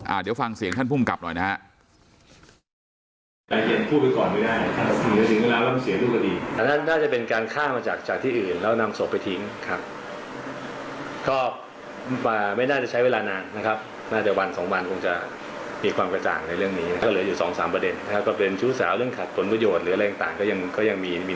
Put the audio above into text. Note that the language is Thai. อ่าเดี๋ยวฟังเสียงข้านผู้กลับหน่อยโอ๊ย